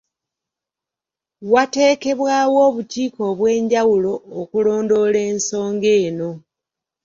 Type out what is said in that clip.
Wateekebwawo obukiiko obw'enjawulo okulondoola ensonga eno.